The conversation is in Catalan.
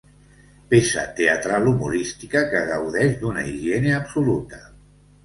Peça teatral humorística que gaudeix d'una higiene absoluta.